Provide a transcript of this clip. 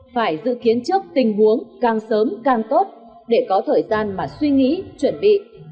phải dự kiến trước tình huống càng sớm càng tốt để có thời gian mà suy nghĩ chuẩn bị